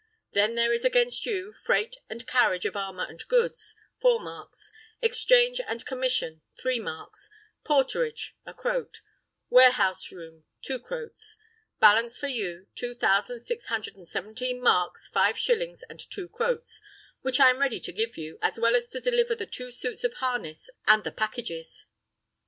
Then there is against you, freight and carriage of armour and goods, four marks; exchange and commission, three marks; porterage, a croat; warehouse room, two croats: balance for you, two thousand six hundred and seventeen marks, five shillings, and two croats, which I am ready to pay you, as well as to deliver the two suits of harness and the packages."